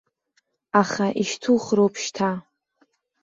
Аха ишьҭухыроуп шьҭа!